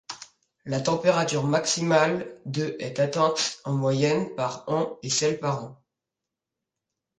La température maximale de est atteinte en moyenne par an et celle par an.